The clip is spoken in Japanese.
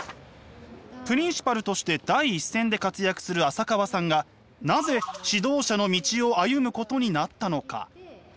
プリンシパルとして第一線で活躍する浅川さんがなぜ指導者の道を歩むことになったのか？